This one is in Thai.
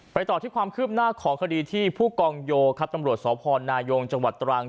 ต่อที่ความคืบหน้าของคดีที่ผู้กองโยครับตำรวจสพนายงจังหวัดตรัง